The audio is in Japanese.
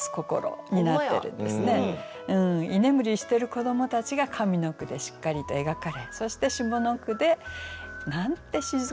居眠りしてる子どもたちが上の句でしっかりと描かれそして下の句で「なんて静かな海なんだろう」。